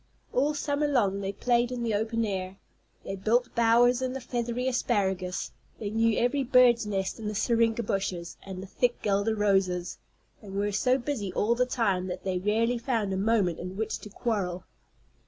All summer long they played in the open air. They built bowers in the feathery asparagus; they knew every bird's nest in the syringa bushes and the thick guelder roses, and were so busy all the time that they rarely found a moment in which to quarrel.